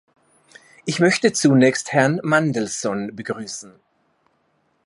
Ich möchte zunächst Herrn Mandelson begrüßen.